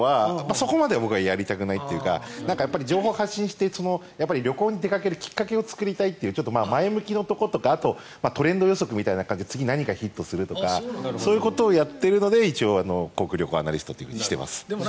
そこまで僕はやりたくないというか情報を発信して旅行に出かけるきっかけを作りたいという前向きのところとかトレンド予測みたいな感じで次に何がヒットするとかそういうことをやっているので一応、航空・旅行アナリストとしています。